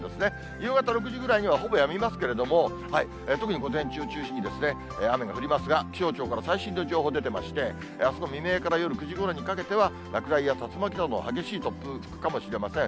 夕方６時ぐらいにはほぼやみますけれども、特に午前中中心に雨が降りますが、気象庁から最新の情報出てまして、あすの未明から夜９時ごろにかけては、落雷や竜巻などの激しい突風、吹くかもしれません。